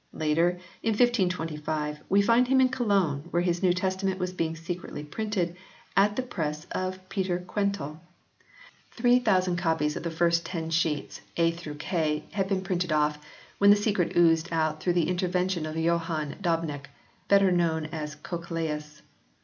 Later, in 1525, we find him in Cologne where his New Testament was being secretly printed at the press of Peter QuenteL Three thousand copies of the first ten sheets (A K) had been printed off when the secret oozed out through the intervention of Johann Dobneck, better known as Cochlaeus.